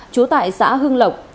chú tại xã hưng lộc